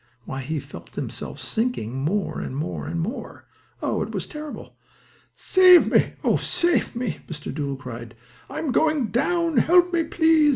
Why, he felt himself sinking more and more and more. Oh, it was terrible! "Save me! Oh, save me!" Mr. Doodle cried. "I am going down! Help me, please!